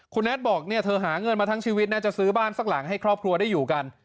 คุณแท็ตบอกเนี่ยเธอหาเงินมาทั้งชีวิตนะจะซื้อบ้านสักหลังให้ครอบครัวได้อยู่กัน